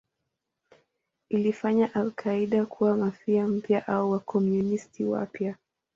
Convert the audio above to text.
Ilifanya al-Qaeda kuwa Mafia mpya au Wakomunisti wapya.